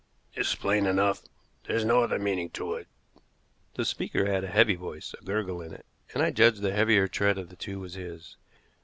"It's plain enough. There's no other meaning to it." The speaker had a heavy voice, a gurgle in it, and I judged the heavier tread of the two was his.